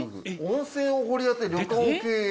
温泉を掘り当て旅館を経営」。